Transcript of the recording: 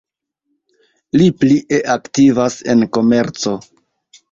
Li plie aktivas en komerco.